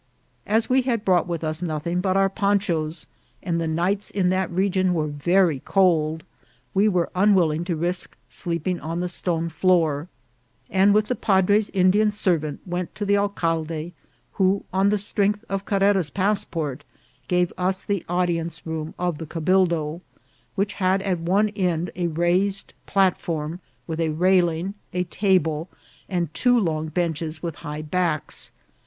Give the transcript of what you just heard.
As we had brought with us nothing but our ponchas, and the nights in that region were very cold, we were unwilling to risk sleeping on the stone floor, and with the padre's Indian servant went to the alcalde, who, on the strength of Carrera's passport, gave us the audience room of the cabildo, which had at one end a raised platform with a railing, a table, and two long benches with high backs.